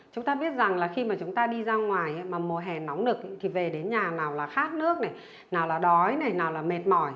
chúng ta biết rằng là khi mà chúng ta đi ra ngoài mà mùa hè nóng được thì về đến nhà nào là khát nước này nào là đói này nào là mệt mỏi